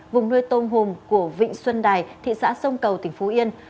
vùng nuôi tôm hùm của vịnh xuân đài thị xã sông cầu tỉnh phú yên